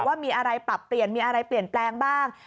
ว่ามีอะไรปรับเปลี่ยนมีอะไรเปลี่ยนแปลงบ้าง